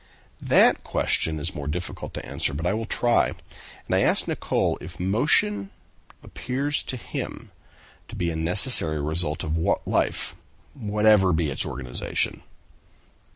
"That question is more difficult to answer, but I will try; and I ask Nicholl if motion appears to him to be a necessary result of life, whatever be its organization?"